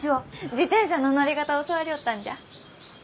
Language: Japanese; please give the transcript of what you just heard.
自転車の乗り方教わりょうったんじゃ。